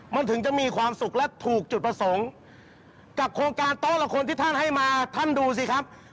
มันถึงจะมีความสุขและถูกจุดประสงค์กับโครงการโต๊ะละคนที่ท่านให้มาท่านดูสิครับ